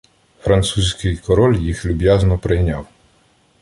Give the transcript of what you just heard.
Французький король їх люб'язно прийняв.